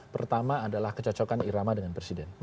pertama adalah kecocokan irama dengan presiden